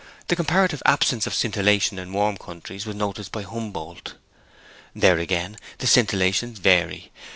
The comparative absence of scintillation in warm countries was noticed by Humboldt. Then, again, the scintillations vary.